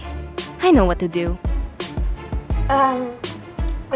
aku tahu apa yang harus saya lakukan